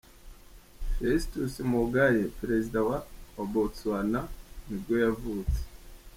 Festus Mogae, perezida wa wa Botswana nibwo yavutse.